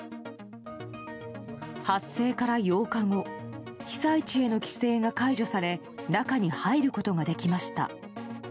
発生から８日後被災地への規制が解除され中に入ることができました。